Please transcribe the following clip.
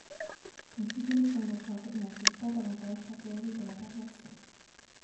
Comme Sigmund Freud encore, il n'accepte pas davantage la théorie de la perversion.